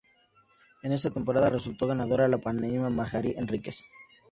En esta temporada resultó ganadora la panameña Margarita Henríquez.